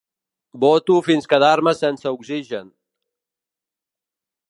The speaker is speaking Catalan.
Boto fins quedar-me sense oxigen.